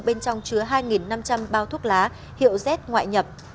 bên trong chứa hai năm trăm linh bao thuốc lá hiệu z ngoại nhập